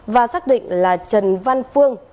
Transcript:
và xác định là trần văn phương